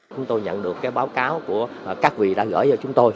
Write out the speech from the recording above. chúng tôi nhận được báo cáo của các vị đã gửi cho chúng tôi